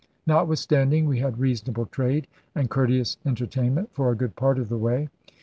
Notwithstanding, we had reasonable trade, and courteous enter tainment' for a good part of the way.